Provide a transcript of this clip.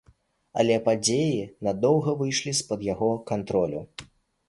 Але падзеі надоўга выйшлі з-пад яго кантролю.